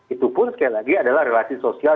itu pun sekali lagi adalah relasi sosial